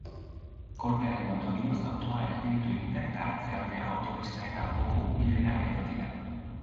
Kolpearen ondorioz autoa erdibitu egin da eta atzealdea autopistaren alboko ubidera erori da.